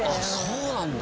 そうなんだ。